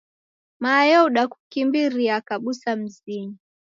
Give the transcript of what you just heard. Mayo udakukimbiria kabusa mzinyi.